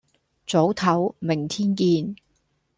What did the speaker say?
早唞，明天見